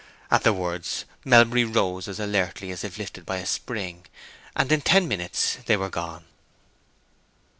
At the words Melbury rose as alertly as if lifted by a spring, and in ten minutes they were gone.